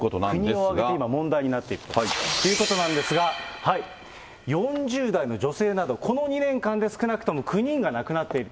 国を挙げて今問題になっているということなんですが、４０代の女性など、この２年間で少なくとも９人が亡くなっている。